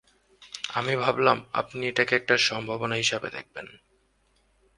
আমি ভাবলাম আপনি এটাকে একটা সম্ভাবনা হিসেবে দেখবেন।